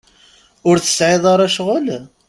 Ur tesɛiḍ ara ccɣel?